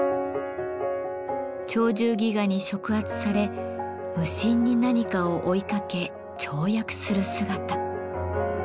「鳥獣戯画」に触発され無心に何かを追いかけ跳躍する姿。